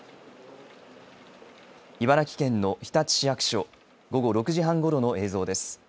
茨城県の日立市役所午後６時半ごろの映像です。